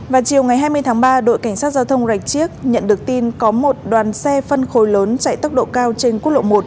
vào chiều ngày hai mươi tháng ba đội cảnh sát giao thông rạch chiếc nhận được tin có một đoàn xe phân khối lớn chạy tốc độ cao trên quốc lộ một